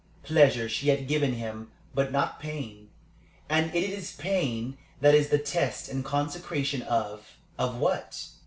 Pleasure she had given him, but not pain; and it is pain that is the test and consecration of Of what?...